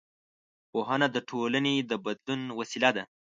پوهنه د ټولنې د بدلون وسیله ده